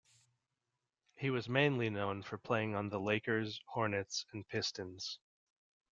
He was mainly known for playing on the Lakers, Hornets and Pistons.